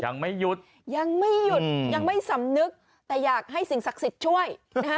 ยังไม่หยุดยังไม่หยุดยังไม่สำนึกแต่อยากให้สิ่งศักดิ์สิทธิ์ช่วยนะฮะ